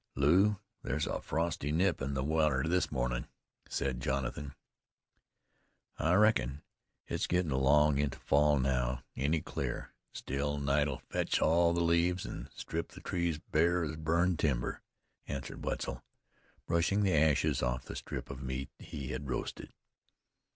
"Lew, there's a frosty nip in the water this mornin'," said Jonathan. "I reckon. It's gettin' along into fall now. Any clear, still night'll fetch all the leaves, an' strip the trees bare as burned timber," answered Wetzel, brushing the ashes off the strip of meat he had roasted.